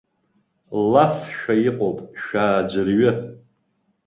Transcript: Лафшәа иҟоуп, шәааӡырҩы.